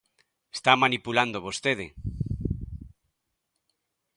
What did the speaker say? Está manipulando vostede.